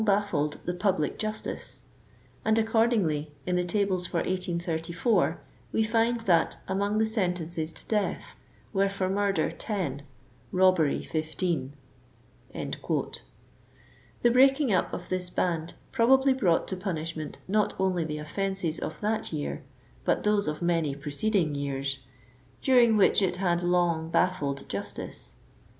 9 98 the public justice ; and accordingly, in the tables for 1834, we find that, among the sentences to death, were for murder 10, robbery 15." The breaking up of this band probably brought to punishment not only the offenses of that year, but those of many preceding years, during which it " had long baffled jus tice."